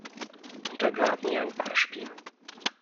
Und er gab mir ein Beispiel.